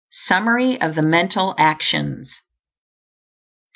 SUMMARY OF THE MENTAL ACTIONS.